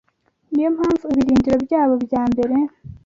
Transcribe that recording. Niyo mpamvu ibirindiro byabo bya mbere